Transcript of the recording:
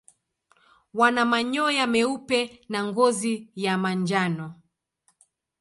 Wana manyoya meupe na ngozi ya manjano.